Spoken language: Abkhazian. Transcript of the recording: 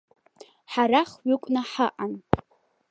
Ҳара хәҩыкны ҳаҟан.